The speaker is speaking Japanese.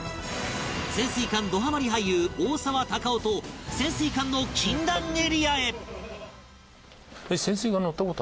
潜水艦どハマリ俳優大沢たかおと潜水艦の禁断エリアへ！